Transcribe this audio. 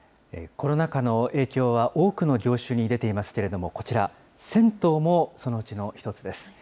コロナ禍の影響は多くの業種に出ていますけれども、こちら、銭湯もそのうちの一つです。